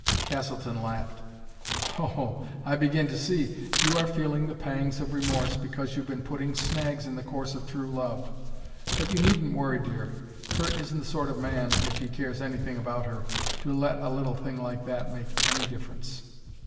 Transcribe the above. Castleton laughed. "Oh, I begin to see! You are feeling the pangs of remorse because you've been putting snags in the course of true love. But you needn't worry, dear. Curt isn't the sort of man, if he cares anything about her, to let a little thing like that make any difference."